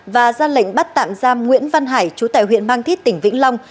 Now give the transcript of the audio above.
và ra lệnh bắt tạm giam nguyễn văn hải chú tại huyện mang thít tỉnh vĩnh long